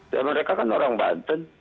dan mereka kan orang banten